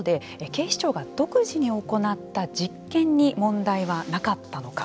警視庁が独自に行った実験に問題はなかったのか。